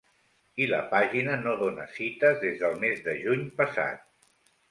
I la pàgina no dóna cites des del mes de juny passat.